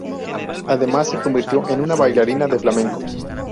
Además se convirtió en una bailarina de flamenco.